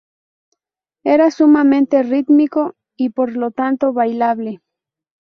Era sumamente rítmico y por lo tanto bailable.